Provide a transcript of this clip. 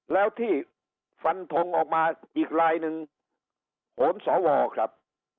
แล้วที่ฟันทงออกมาอีกลายหนึ่งโหนสวครับ